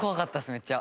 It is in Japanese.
めっちゃ。